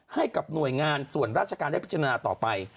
ให้กับหน่วยงานส่วนราชการได้พิจารณาต่อไป